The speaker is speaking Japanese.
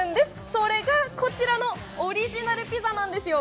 それが、こちらのオリジナルピザなんです。